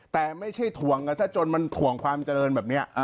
แต่ไม่ใช่ถ่วงกันซะจนมันถ่วงความเจริญแบบนี้